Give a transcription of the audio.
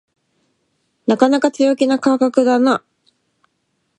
なかなか強気な価格だな